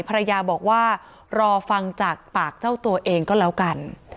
ภรรยาบอกว่ารอฟังจากปากเจ้าตัวเองก็แล้วกัน